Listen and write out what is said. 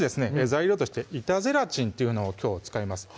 材料として板ゼラチンというのを使います